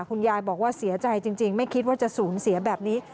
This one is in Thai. คุณยายบอกว่าเสียใจจริงไม่คิดว่าจะสูญเสียแบบนี้